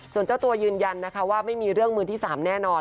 ส่วนเจ้าตัวยืนยันนะคะว่าไม่มีเรื่องมือที่๓แน่นอน